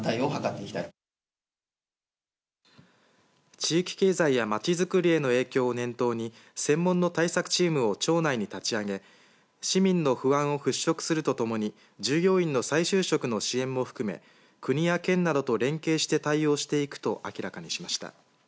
地域経済やまちづくりへの影響を念頭に専門の対策チームを庁内に立ち上げ市民の不安を払拭するとともに従業員の再就職の支援も含め国や県などと連携して対応していくと明らかにしました。